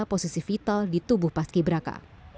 posisi vital di tubuh paski braka